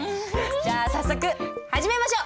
じゃあ早速始めましょう！